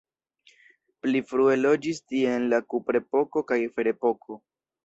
Pli frue loĝis tie en la kuprepoko kaj ferepoko.